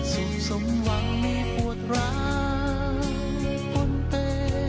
สูงสมหวังมีปวดร้าพ้นเต้